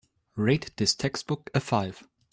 Rate this textbook a five